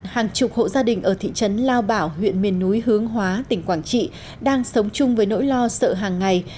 hàng chục hộ gia đình ở thị trấn lao bảo huyện miền núi hướng hóa tỉnh quảng trị đang sống chung với nỗi lo sợ hàng ngày